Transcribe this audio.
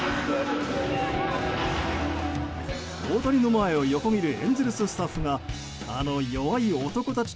大谷の前を横切るエンゼルススタッフがあの「弱い男たち」